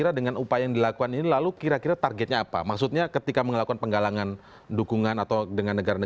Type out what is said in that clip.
jangan lupa subscribe like komen dan share